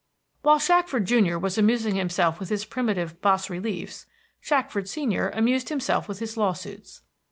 While Shackford junior was amusing himself with his primitive bas reliefs, Shackford senior amused himself with his lawsuits.